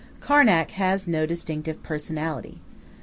Karnak has no distinctive personality.